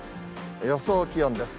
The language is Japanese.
予想気温です。